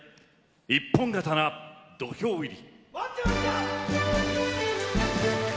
「一本刀土俵入り」。